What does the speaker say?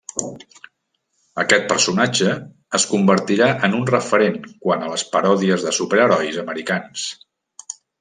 Aquest personatge es convertirà en un referent quant a les paròdies de superherois americans.